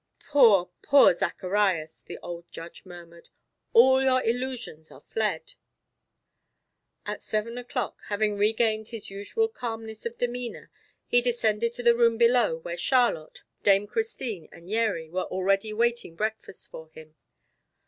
"Poor, poor Zacharias," the old Judge murmured, "all your illusions are fled." At seven o'clock, having regained his usual calmness of demeanor, he descended to the room below, where Charlotte, Dame Christine and Yeri were already waiting breakfast for him.